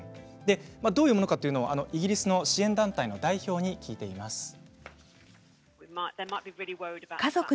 どういうものかというのをイギリスの支援団体の代表に聞いています。